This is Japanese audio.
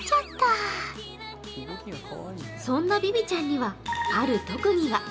そんなビビちゃんには、ある特技が。